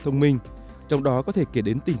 thông minh trong đó có thể kể đến tỉnh